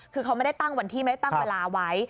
คือเขาไม่ได้ตั้งวันที่ไม่ได้ตั้งเวลาไว้